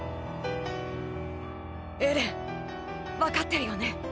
エレンわかってるよね？